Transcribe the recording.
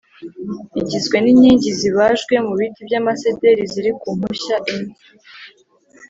Igizwe n’inkingi zibajwe mu biti by’amasederi ziri ku mpushya enye